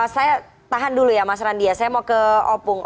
saya tahan dulu ya mas randia saya mau ke opung